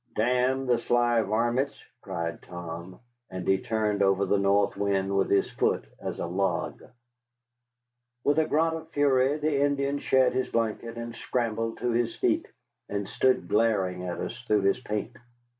"Damn the sly varmints," cried Tom, and he turned over the North Wind with his foot, as a log. With a grunt of fury the Indian shed his blanket and scrambled to his feet, and stood glaring at us through his paint.